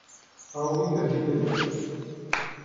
Há alguém perdido aí?